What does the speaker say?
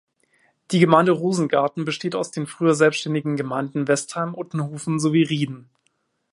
Die Gemeinde Rosengarten besteht aus den früher selbständigen Gemeinden Westheim, Uttenhofen sowie Rieden.